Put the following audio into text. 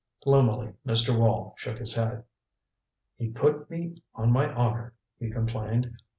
Gloomily Mr. Wall shook his head. "He put me on my honor," he complained.